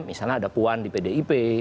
misalnya ada puan di pdip